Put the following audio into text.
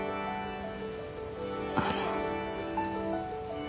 あの。